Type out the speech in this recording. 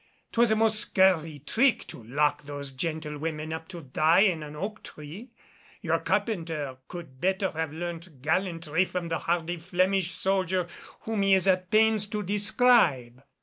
'Twas a most scurvy trick to lock those gentlewomen up to die in an oak tree. Your carpenter could better have learnt gallantry from the hardy Flemish soldier whom he is at pains to describe."